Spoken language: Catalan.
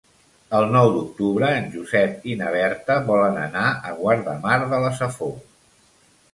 El nou d'octubre en Josep i na Berta volen anar a Guardamar de la Safor.